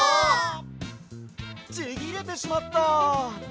ちぎれてしまった！